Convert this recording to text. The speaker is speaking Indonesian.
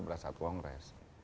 berasal uang res